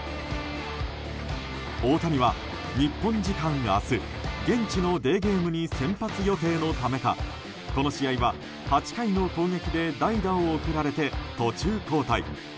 大谷は日本時間明日現地のデーゲームに先発予定のためかこの試合は８回の攻撃で代打を送られて途中交代。